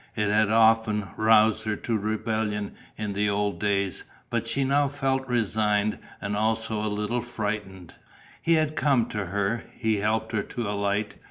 It had often roused her to rebellion in the old days, but she now felt resigned and also a little frightened. He had come to her; he helped her to alight.